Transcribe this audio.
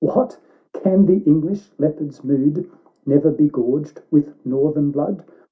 What ! can the English Leopard's mood Never be gorged with northern blood